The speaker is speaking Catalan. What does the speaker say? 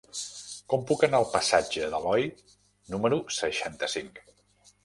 Com puc anar al passatge d'Aloi número seixanta-cinc?